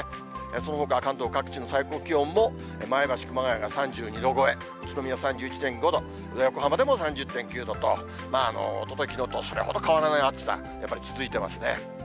そのほか、関東各地の最高気温も、前橋、熊谷が３２度超え、宇都宮３１．５度、横浜でも３０．９度と、おととい、きのうとそれほど変わらない暑さ、やっぱり続いてますね。